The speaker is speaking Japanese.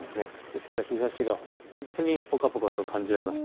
ですから日ざしが本当にぽかぽかと感じられます。